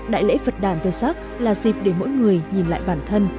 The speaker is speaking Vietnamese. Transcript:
đại lễ phật đàn vesak là dịp để mỗi người nhìn lại bản thân